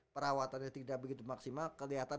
perawatannya tidak begitu maksimal kelihatan